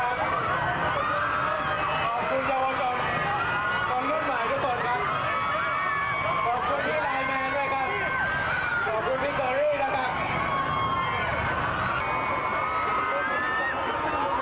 ขอบคุณผู้หญิงใหม่ทุกคนค่ะขอบคุณพี่ไลน์แมนด้วยกันขอบคุณพี่โกรีนะคะ